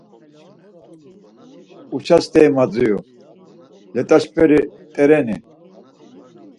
Uça steri madziru, let̆aşperi rt̆ereni?